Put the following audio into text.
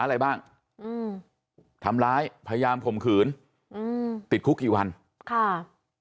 อะไรบ้างอืมทำร้ายพยายามข่มขืนอืมติดคุกกี่วันค่ะ